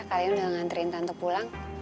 kalian udah nganterin tanto pulang